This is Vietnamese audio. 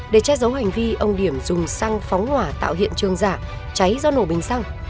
để che giấu hành vi ông điểm dùng xăng phóng hỏa tạo hiện trường giả cháy do nổ bình xăng